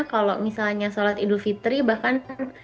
kalau misalnya sholat idul fitri bahkan